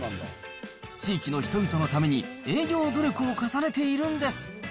地域の人々のために営業努力を重ねているんです。